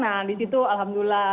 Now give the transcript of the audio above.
nah di situ alhamdulillah